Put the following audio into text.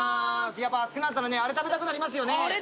やっぱ暑くなったら、あれ食べたくなりますよね。